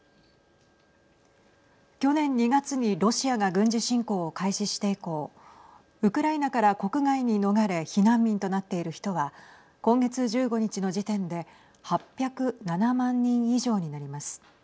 去年２月にロシアが軍事侵攻を開始して以降ウクライナから国外に逃れ避難民となっている人は今月１５日の時点で８０７万人以上になります。